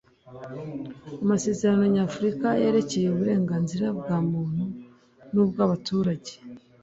Amasezerano Nyafurika yerekeye Uburenganzira bwa Muntu n ubw Abaturage